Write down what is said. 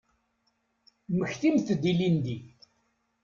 Mmektimt-d ilindi.